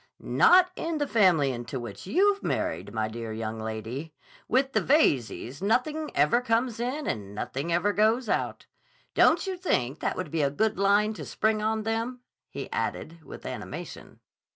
"Not in the family into which you've married, my dear young lady. With the Veyzes nothing ever comes in and nothing ever goes out. Don't you think that would be a good line to spring on them?" he added with animation.